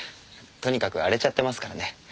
とにかく荒れちゃってますからね。